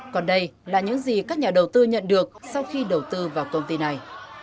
còn đây là những gì các nhà đầu tư nhận được sau khi đầu tư vào công ty này